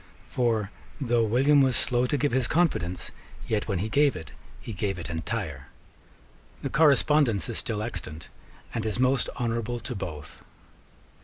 For though William was slow to give his confidence, yet, when he gave it, he gave it entire. The correspondence is still extant, and is most honourable to both.